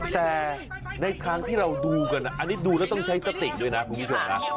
แต่ในทางที่เราดูกันนะอันนี้ดูแล้วต้องใช้สติ๊กด้วยนะผมยังไม่ชวนนะ